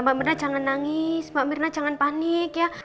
mbak mirna jangan nangis mbak mirna jangan panik ya